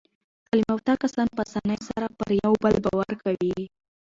تعلیم یافته کسان په اسانۍ سره پر یو بل باور کوي.